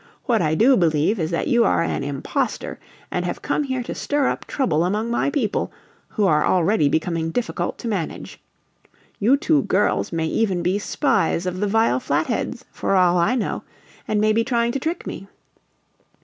What I do believe is that you are an impostor and have come here to stir up trouble among my people, who are already becoming difficult to manage. You two girls may even be spies of the vile Flatheads, for all I know, and may be trying to trick me.